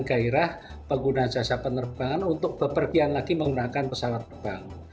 gairah pengguna jasa penerbangan untuk bepergian lagi menggunakan pesawat terbang